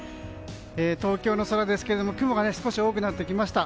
東京の空ですが雲が少し多くなってきました。